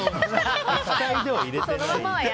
液体では入れてない。